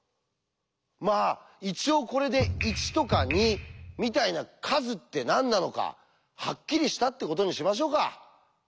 まあ一応これで「１」とか「２」みたいな「数」って何なのかハッキリしたってことにしましょうか。